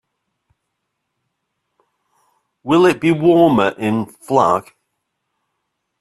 Will it be warmer in Flag?